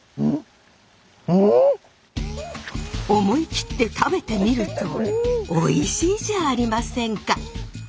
思い切って食べてみるとおいしいじゃありませんか！